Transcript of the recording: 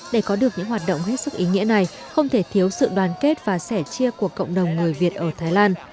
để có được những hoạt động hết sức ý nghĩa này không thể thiếu sự đoàn kết và sẻ chia của cộng đồng người việt ở thái lan